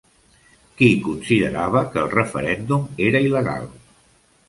Qui considerava que el referèndum era il·legal?